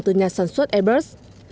từ nhà sản xuất airbus